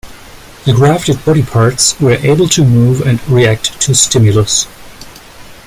The grafted body parts were able to move and react to stimulus.